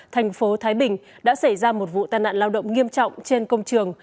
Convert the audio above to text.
thành phố thái bình đã xảy ra một vụ tai nạn lao động nghiêm trọng trên công trường